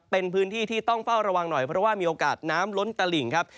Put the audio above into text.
เป็นพื้นที่ที่ต้องเฝ้าระวังหน่อยเพราะว่ามีโอกาสน้ำล้นตลิ่งครับ